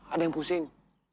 ada yang pusing